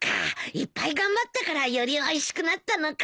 いっぱい頑張ったからよりおいしくなったのか。